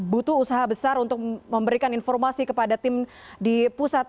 butuh usaha besar untuk memberikan informasi kepada tim di pusat